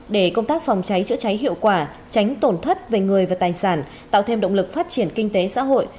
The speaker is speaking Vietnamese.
để công tác phòng cháy chữa cháy hiệu quả tránh tổn thất về người và tài sản tạo thêm động lực phát triển kinh tế xã hội